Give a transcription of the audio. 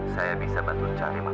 saya udah tahu amira